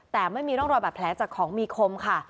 แต่ไม่มีร่องรอยบาดแผลจากของมีคมค่ะ